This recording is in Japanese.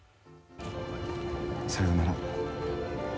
さよなら。